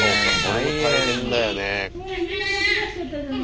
大変だよね。